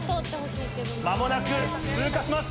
間もなく通過します。